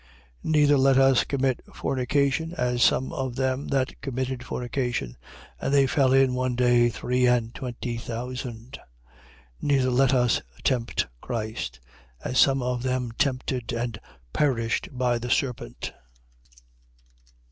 10:8. Neither let us commit fornication, as some of them that committed fornication: and there fell in one day three and twenty thousand. 10:9. Neither let us tempt Christ, as some of them tempted and perished by the serpent.